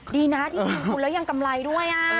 ดีนะที่ลงทุนแล้วยังกำไรด้วย